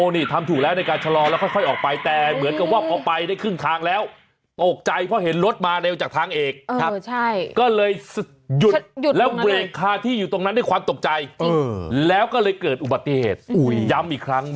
หมดอายุไม่เกินหนึ่งปีเนี่ยไปเรียนออนไลน์ใหม่นะไปสอบใหม่